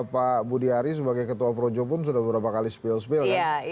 pak budiari sebagai ketua projo pun sudah berapa kali spill spill